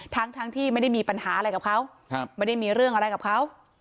ทั้งที่ไม่ได้มีปัญหาอะไรกับเขาไม่ได้มีเรื่องอะไรกับเขา